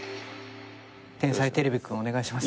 『天才てれびくん』お願いします。